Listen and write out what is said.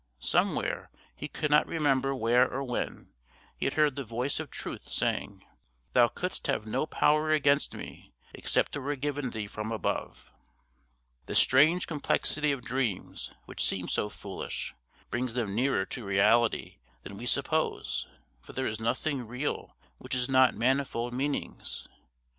Somewhere, he could not remember where or when, he had heard the voice of truth saying, "Thou couldst have no power against me except it were given thee from above." The strange complexity of dreams, which seems so foolish, brings them nearer to reality than we suppose, for there is nothing real which has not manifold meanings.